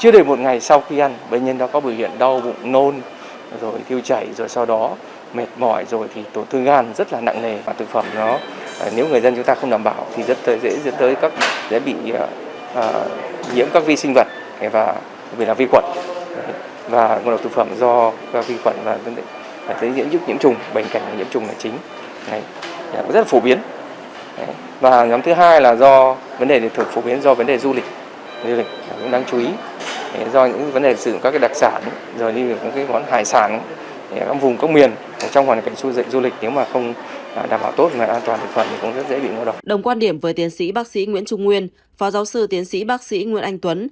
đồng quan điểm với tiến sĩ bác sĩ nguyễn trung nguyên phó giáo sư tiến sĩ bác sĩ nguyễn anh tuấn